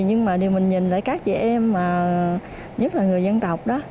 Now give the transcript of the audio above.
nhưng mà mình nhìn lại các chị em nhất là người dân tộc đó